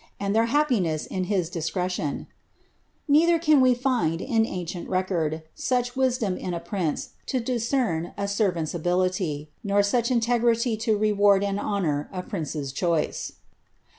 aaJ their happiness in his discretion,' neither can we find, in ancient recorJ. such wisdom in a prince to discern a servant's ability, nor such integriiT to reward and honour a prince's choice."'